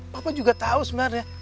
papa juga tau sebenernya